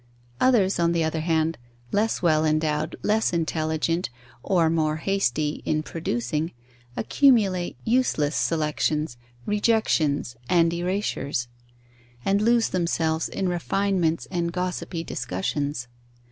Others, on the other hand, less well endowed, less intelligent, or more hasty in producing, accumulate useless selections, rejections and erasures, and lose themselves in refinements and gossipy discussions.